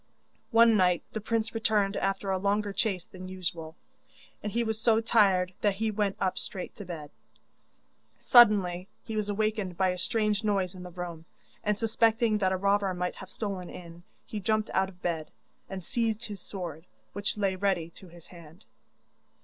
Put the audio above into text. One night the prince returned after a longer chase than usual, and he was so tired that he went up straight to bed. Suddenly he was awakened by a strange noise in the room, and suspecting that a robber might have stolen in, he jumped out of bed, and seized his sword, which lay ready to his hand.